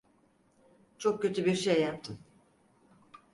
Çok kötü bir şey yaptım.